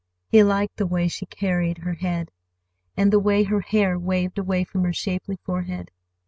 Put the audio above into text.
He liked the way she carried her head, and the way her hair waved away from her shapely forehead.